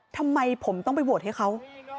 ทำไมผมต้องไปโหวตให้เขา